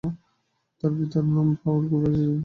তার পিতার নাম বাউল কবি আজিজ উদ্দিন ও মাতার নাম আমেনা খাতুন।